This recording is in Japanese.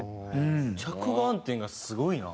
着眼点がすごいな。